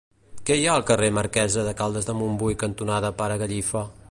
Què hi ha al carrer Marquesa de Caldes de Montbui cantonada Pare Gallifa?